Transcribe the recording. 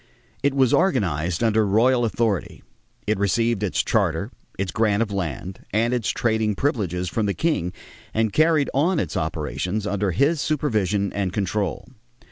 It was organized under royal authority; it received its charter, its grant of land, and its trading privileges from the king and carried on its operations under his supervision and control.